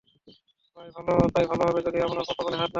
তাই ভালো হবে যদি আমার পপকর্নে হাত না দাও।